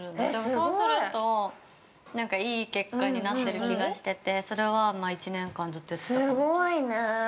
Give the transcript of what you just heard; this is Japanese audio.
そうすると、なんかいい結果になってる気がしててそれは１年間、ずっと◆すごいね。